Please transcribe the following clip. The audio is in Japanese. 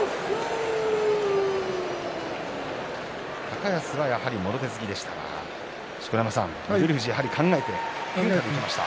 高安はやはりもろ手突きでしたが錣山さん、翠富士はやはり考えていきました。